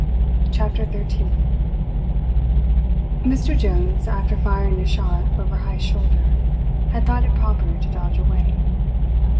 CHAPTER THIRTEEN Mr Jones, after firing his shot over Heyst's shoulder, had thought it proper to dodge away.